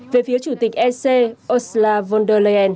về phía chủ tịch ec oslo vondel